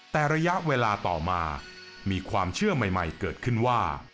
แต่ระยะเวลาต่อมามีความเชื่อใหม่เกิดขึ้นว่า